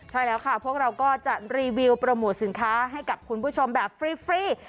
ใช่แล้วค่ะพวกเราก็จะรีวิวโปรโมทสินค้าให้กับคุณผู้ชมแบบฟรี